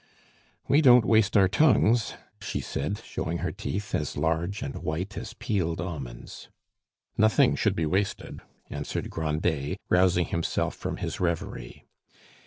"We don't waste our tongues," she said, showing her teeth, as large and white as peeled almonds. "Nothing should be wasted," answered Grandet, rousing himself from his reverie.